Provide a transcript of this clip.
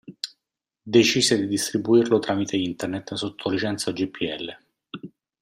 Decise di distribuirlo tramite Internet sotto licenza GPL.